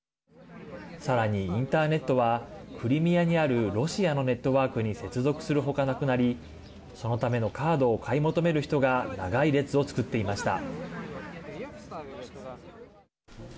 さらに、インターネットはクリミアにあるロシアのネットワークに接続するほかなくなりそのためのカードを買い求める人が長い列をつくっていました。